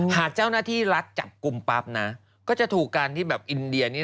หากเจ้าหน้าที่รัฐจับกลุ่มปั๊บนะก็จะถูกการที่แบบอินเดียนี่